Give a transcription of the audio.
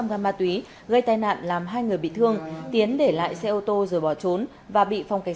bốn trăm linh g ma túy gây tai nạn làm hai người bị thương tiến để lại xe ô tô rồi bỏ trốn và bị phòng cảnh